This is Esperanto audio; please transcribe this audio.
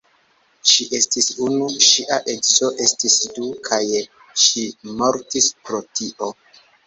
Ŝi estis unu, ŝia edzo estis du; kaj ŝi mortis pro tio.